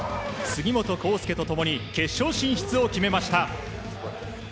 杉本幸祐と共に決勝進出を決めました。